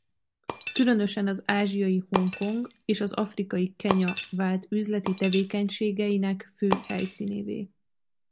Különösen az ázsiai Hongkong és az afrikai Kenya vált üzleti tevékenységeinek fő helyszínévé.